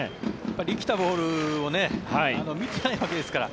生きたボールを見てないわけですから。